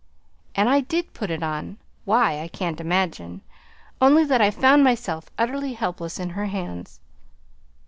And I did put it on why, I can't imagine, only that I found myself utterly helpless in her hands.